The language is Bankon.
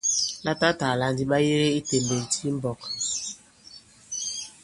Latatàla ndi ɓa yege i tèmbèk di i mɓɔ̄k.